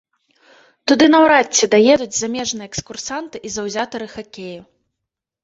Туды наўрад ці даедуць замежныя экскурсанты і заўзятары хакею.